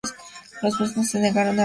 Los bosnios se negaron a rendirse.